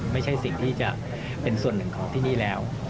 ไม่ใช่สิ่งที่จะเป็นส่วนหนึ่งของที่นี่แล้ว